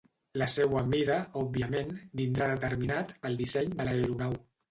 La seua mida, òbviament, vindrà determinat pel disseny de l'aeronau.